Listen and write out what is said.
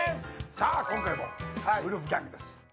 さあ、今回もウルフギャングです。